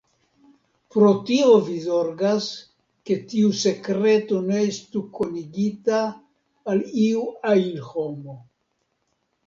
Pro tio vi zorgas, ke tiu sekreto ne estu konigita al iu ajn homo.